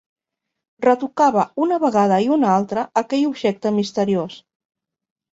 Retocava una vegada i una altra aquell objecte misteriós.